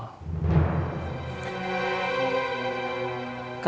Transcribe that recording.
jadi sebenarnya itu bukan hal yang disengaja oleh pak al